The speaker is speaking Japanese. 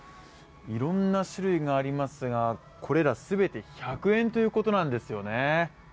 いろんな種類がありますが、これら全て１００円ということなんですよね。